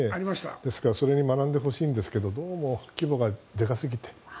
ですからそれに学んでほしいんですがどうも規模がでかすぎて。